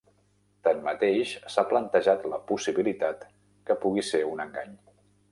Tanmateix, s'ha plantejat la possibilitat que pugui ser un engany.